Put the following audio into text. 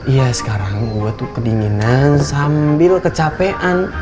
iya sekarang gue tuh kedinginan sambil kecapean